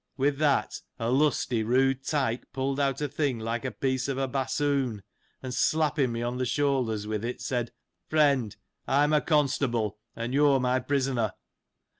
"^ With that, a lusty, rude tyke pulled out a thing like a piece of a bassoon, and slapping me on the shoulders with it said, " Friend, I am a constable ; and you are my prisoner."